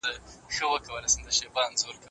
تاسو بايد د خپل راتلونکي لپاره پلان ولرئ.